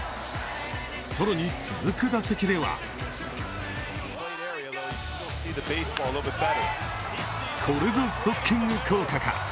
更に、続く打席ではこれぞストッキング効果か。